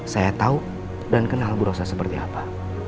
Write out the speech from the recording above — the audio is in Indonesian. saya tahu dan kenal bu rosa seperti apa